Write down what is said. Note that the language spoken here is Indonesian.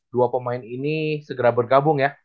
dua pemain ini segera bergabung ya